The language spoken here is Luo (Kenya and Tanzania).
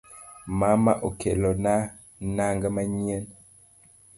Mama okelona nang'a manyien